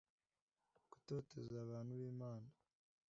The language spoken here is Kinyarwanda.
Gutoteza abantu bimana